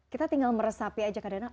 kita tinggal meresapi aja kadang kadang